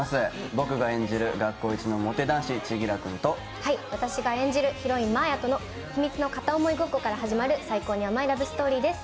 僕が演じる学校一のモテ男子千輝君と私が演じる、ヒロイン・真綾の秘密の片思いごっこから始まる最高に甘いラブストーリーです。